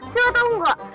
sil sila tau gak